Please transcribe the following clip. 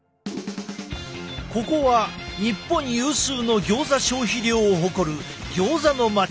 ここは日本有数のギョーザ消費量を誇るギョーザの街